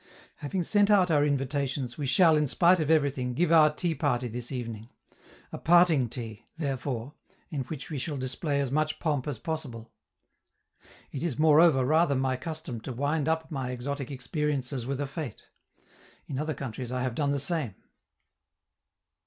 Having sent out our invitations, we shall, in spite of everything, give our tea party this evening a parting tea, therefore, in which we shall display as much pomp as possible. It is, moreover, rather my custom to wind up my exotic experiences with a fete; in other countries I have done the same.